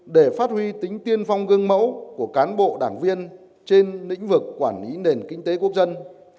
để phát huy tính tiên phong gương mẫu của cán bộ đảng viên trên lĩnh vực quản lý nền kinh tế quốc dân